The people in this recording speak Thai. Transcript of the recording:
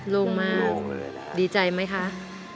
ลงมาดีใจไหมคะ